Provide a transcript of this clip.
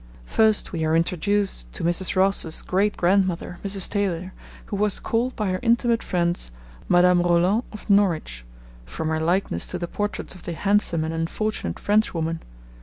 First we are introduced to Mrs. Ross's great grandmother, Mrs. Taylor, who 'was called, by her intimate friends, "Madame Roland of Norwich," from her likeness to the portraits of the handsome and unfortunate Frenchwoman.'